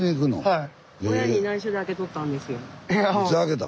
はい。